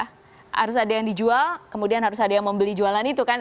harus ada yang dijual kemudian harus ada yang membeli jualan itu kan